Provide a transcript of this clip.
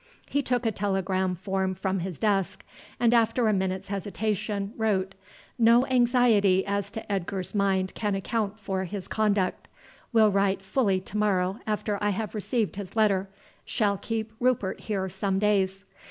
He took a telegram form from his desk, and after a minute's hesitation wrote: "No anxiety as to Edgar's mind can account for his conduct will write fully to morrow after I have received his letter shall keep Rupert here some days."